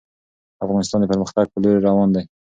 افغانستان د پرمختګ په لوري روان دی.